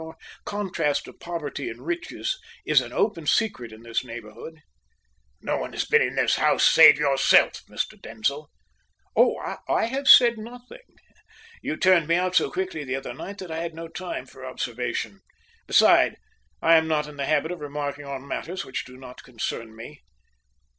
Your contrast of poverty and riches is an open secret in this neighbourhood." "No one has been in my house save yourself, Mr. Denzil." "Oh, I have said nothing. You turned me out so quickly the other night that I had no time for observation. Besides, I am not in the habit of remarking on matters which do not concern me."